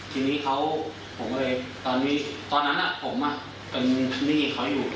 ทีนี้เขาผมก็เลยตอนนี้ตอนนั้นผมเป็นหนี้เขาอยู่